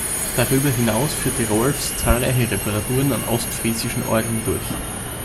Darüber hinaus führte Rohlfs zahlreiche Reparaturen an ostfriesischen Orgeln durch.